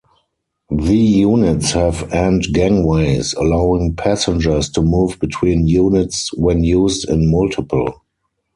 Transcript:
The units have end-gangways, allowing passengers to move between units when used in multiple.